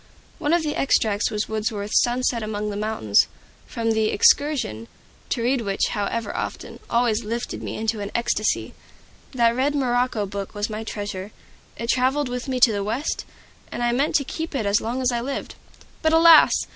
One of the extracts was Wordsworth's "Sunset among the Mountains," from the "Excursion," to read which, however often, always lifted me into an ecstasy. That red morocco book was my treasure. It traveled with me to the West, and I meant to keep it as long as I lived. But alas!